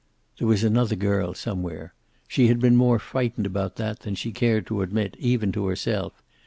There was another girl, somewhere. She had been more frightened about that than she cared to admit, even to herself.